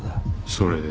それで？